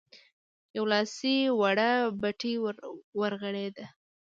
يوه لاسي وړه بتۍ ورغړېده.